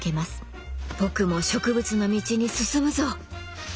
僕も植物の道に進むぞ！